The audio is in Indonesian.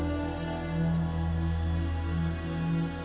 semoga kejadian saya sangat menyedari seluruh masa setentu untuk semua orang